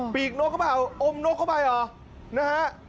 ปีกนกเข้ามาอมนกเข้ามาหรอนะฮะ